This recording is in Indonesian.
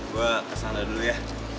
gue kesana dulu ya